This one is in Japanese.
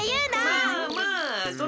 まあまあ！